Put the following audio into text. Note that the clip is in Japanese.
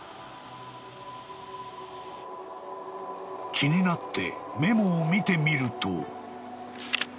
［気になってメモを見てみると］